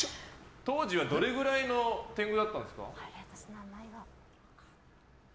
当時はどれくらいの天狗だったんですか？